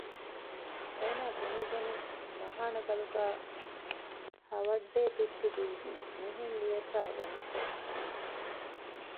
އޭނާ ބުނުއްވަނީ މަހާނަ ގަލުގައި ‘ހަވައްޑޭ ތުއްތު ދީދީ’ މިހެން ލިޔެވިފައި ވަނިކޮށް ކީ